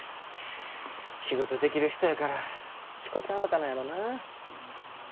仕事できる人やから引く手あまたなんやろなぁ。